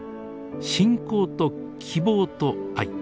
「信仰と希望と愛。